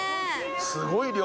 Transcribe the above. すごい量。